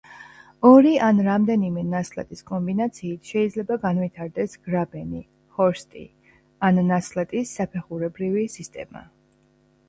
ორი ან რამდენიმე ნასხლეტის კომბინაციით შეიძლება განვითარდეს გრაბენი, ჰორსტი ან ნასხლეტის საფეხურებრივი სისტემა.